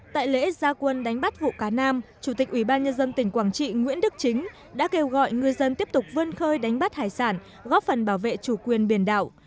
tại lễ gia quân đánh bắt vụ cá nam chủ tịch ubnd tỉnh quảng trị nguyễn đức chính đã kêu gọi ngư dân tiếp tục vơn khơi đánh bắt hải sản góp phần bảo vệ chủ quyền biển đạo